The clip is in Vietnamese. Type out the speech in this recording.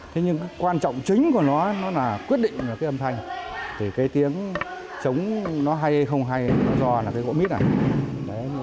thế nhưng quan trọng chính của nó là quyết định là cái âm thanh thì cái tiếng trống nó hay hay không hay nó do là cái gỗ mít này